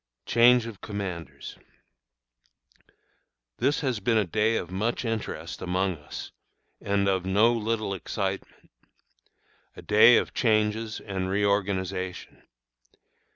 CHANGE OF COMMANDERS. This has been a day of much interest among us and of no little excitement a day of changes and reorganization.